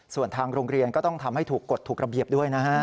ส่วนทางโรงเรียนก็ต้องทำให้ถูกกฎถูกระเบียบด้วยนะฮะ